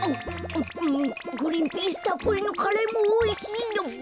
グリーンピースたっぷりのカレーもおいしい！